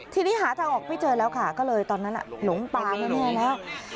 ทีนี้หาทางออกไม่เจอแล้วค่ะก็เลยตอนนั้นหลงป่าแน่แล้ว